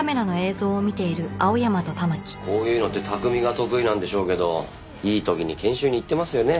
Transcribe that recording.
こういうのって拓海が得意なんでしょうけどいい時に研修に行ってますよね。